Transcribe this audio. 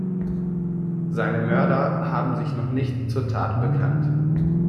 Seine Mörder haben sich noch nicht zur Tat bekannt.